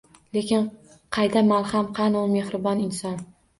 Lekin qayda malham?! Qani, u mehribon inson?!